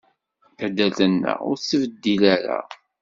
Taddart-nneɣ ur tettbeddil ara.